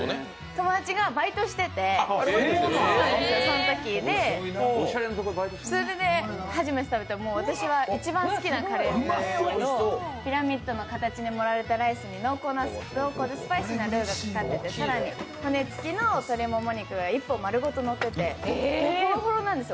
友達がバイトしててそれで、初めて食べて私は一番何好きなカレーなんですけど、ピラミッドの形に盛られたカレーに濃厚でスパイシーなルーをかけて、更に骨付きの鶏もも肉が１本丸ごとのっててほろほろなんですよ